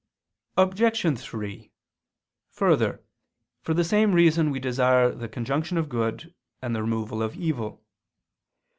Obj. 3: Further, for the same reason we desire the conjunction of good and the removal of evil.